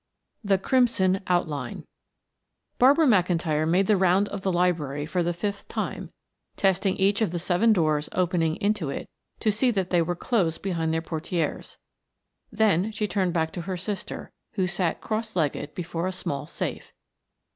THE CRIMSON OUTLINE Barbara McIntyre made the round of the library for the fifth time, testing each of the seven doors opening into it to see that they were closed behind their portieres, then she turned back to her sister, who sat cross logged before a small safe.